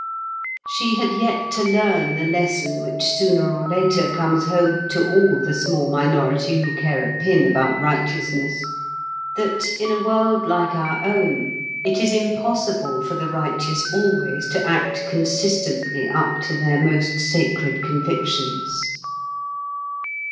She had yet to learn the lesson which sooner or later comes home to all the small minority who care a pin about righteousness, that in a world like our own, it is impossible for the righteous always to act consistently up to their most sacred convictions.